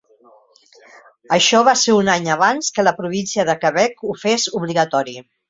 Això va ser un any abans que la província de Quebec ho fes obligatori.